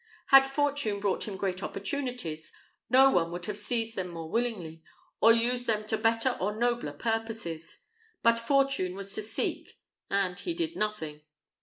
Had fortune brought him great opportunities, no one would have seized them more willingly, or used them to better or to nobler purposes; but fortune was to seek and he did nothing.